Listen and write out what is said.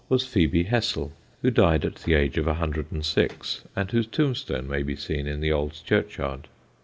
was Phebe Hessel, who died at the age of 106, and whose tombstone may be seen in the old churchyard.